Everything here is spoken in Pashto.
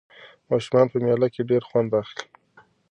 ماشومان په مېله کې ډېر خوند اخلي.